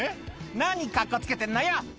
「何カッコつけてんのよ」